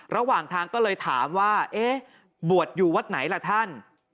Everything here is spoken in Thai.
ระหว่างทางก็เลยถามว่าเอ๊ะบวชอยู่วัดไหนล่ะท่าน